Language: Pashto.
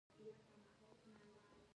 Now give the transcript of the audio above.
د ویب سایټ جوړول بازار لري؟